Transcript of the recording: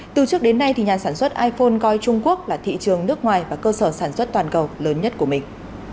từ trước đến nay nhà sản xuất iphone coi trung quốc là thị trường nước ngoài và cơ sở sản xuất toàn cầu lớn nhất của mình